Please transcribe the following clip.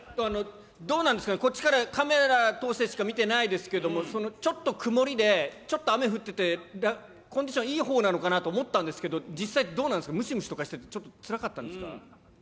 どうなんですか、こっちからカメラ通してでしか見てないですけども、ちょっと曇りで、ちょっと雨降ってて、コンディションいいほうなのかなと思ったんですけれども、実際、どうなんですか、ムシムシとかしてて、ちょっとつらかったですか？